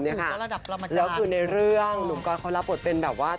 ใช่ล่ะแล้วคือในเรื่องหนุ่มก๊อตเขารับบทแบบว่า